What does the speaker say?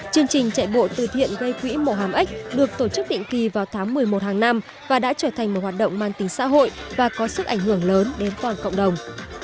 chương trình chạy bộ từ thiện gây quỹ mùa hàm ếch được tổ chức định kỳ vào tháng một mươi một hàng năm và đã trở thành một hoạt động mang tính xã hội và có sức ảnh hưởng lớn đến toàn cộng đồng